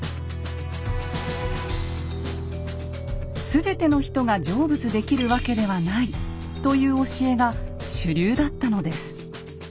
すべての人が成仏できるわけではないという教えが主流だったのです。